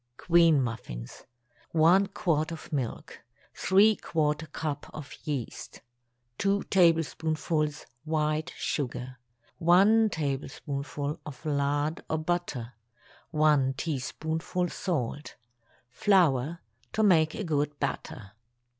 QUEEN MUFFINS. ✠ 1 quart of milk. ¾ cup of yeast. 2 tablespoonfuls white sugar. 1 tablespoonful of lard or butter. 1 teaspoonful salt. Flour to make a good batter.